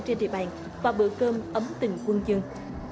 trên địa bàn và bữa cơm ấm tình quân dân